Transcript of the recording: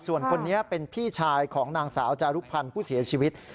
ส่วนคนนี้เป็นพี่ชายของนางสาวจารุพันธ์ผู้เสียชีวิต